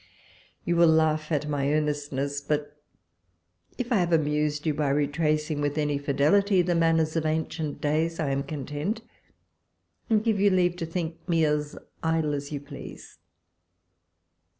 You will laugh at my earnestness ; l)ut if I have amused you, by retracing with any fidelity the manners of ancient days, I am content, and give you leave to think me idle as you please.